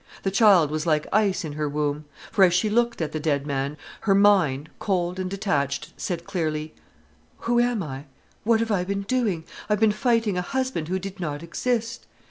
The child was like ice in her womb. For as she looked at the dead man, her mind, cold and detached, said clearly: "Who am I? What have I been doing? I have been fighting a husband who did not exist.